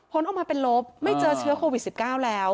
ผลออกมาเป็นลบไม่เจอเชื้อโควิด๑๙แล้ว